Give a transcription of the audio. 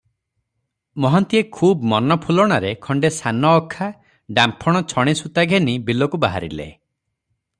ମହାନ୍ତିଏ ଖୁବ୍ ମନଫୁଲଣାରେ ଖଣ୍ଡେ ସାନ ଅଖା, ଡାମ୍ଫଣ ଛଣିସୂତା ଘେନି ବିଲକୁ ବାହାରିଲେ ।